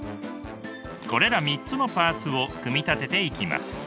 これら３つのパーツを組み立てていきます。